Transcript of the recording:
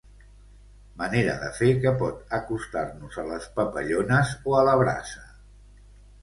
Manera de fer que pot acostar-nos a les papallones o a la braça.